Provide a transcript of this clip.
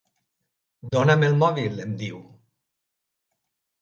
Dona'm el mòbil —em diu.